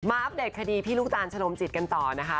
อัปเดตคดีพี่ลูกตาลชะนมจิตกันต่อนะคะ